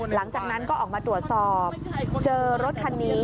หลังจากนั้นก็ออกมาตรวจสอบเจอรถคันนี้